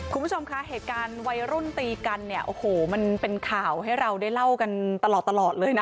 คุณผู้ชมคะเหตุการณ์วัยรุ่นตีกันเนี่ยโอ้โหมันเป็นข่าวให้เราได้เล่ากันตลอดตลอดเลยนะ